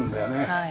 はい。